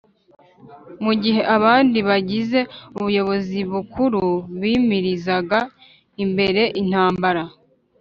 mu gihe abandi mu bagize ubuyobozi bukuru bimirizaga imbere intambara.